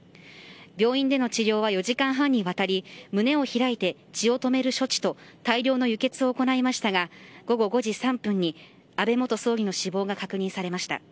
病院での治療は４時間半にわたり胸を開いて血を止める処置と大量の輸血を行いましたが午後５時３分に安倍元総理の死亡が確認されました。